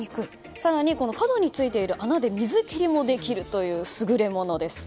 更に、角についている穴で水切りもできるという優れものです。